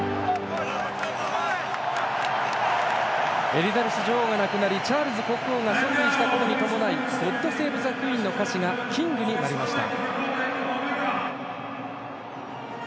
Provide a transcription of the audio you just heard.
エリザベス女王が亡くなりチャールズ国王が即位したことに伴い「ゴッド・セイブ・ザ・クイーン」の歌詞が「キング」になりました。